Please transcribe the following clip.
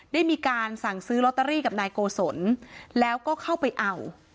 ได้มีการสั่งซื้อลอตเตอรี่กับนายโกศลแล้วก็เข้าไปเอา